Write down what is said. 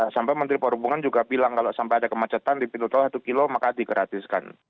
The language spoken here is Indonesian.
sampai menteri perhubungan juga bilang kalau sampai ada kemacetan di pintu tol satu kilo maka digratiskan